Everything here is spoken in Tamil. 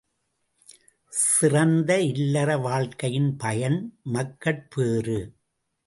சிறந்த இல்லற வாழ்க்கையின் பயன் மக்கட்பேறு.